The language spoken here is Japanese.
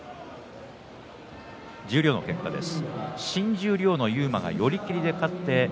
十両の結果です。